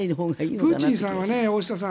プーチンさんは大下さん